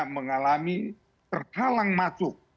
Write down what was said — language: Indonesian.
mengalami terhalang masuk